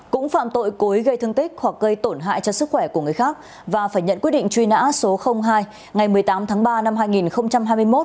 cũng phạm tội cối gây thương tích hoặc gây tổn hại cho sức khỏe của người khác và phải nhận quyết định truy nã số hai ngày một mươi tám tháng ba năm hai nghìn hai mươi một